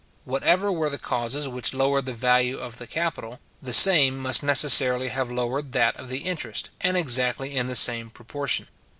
Whatever were the causes which lowered the value of the capital, the same must necessarily have lowered that of the interest, and exactly in the same proportion.